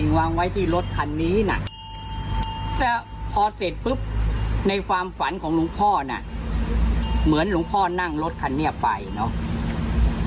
ในความฝันของลุงพ่อน่ะเหมือนลุงพ่อนั่งรถคันเนี่ยไปเนาะ